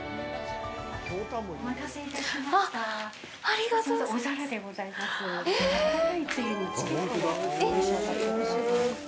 お待たせいたしました。